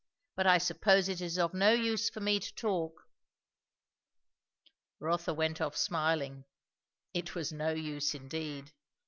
But I suppose it is of no use for me to talk." Rotha went off smiling. It was no use indeed!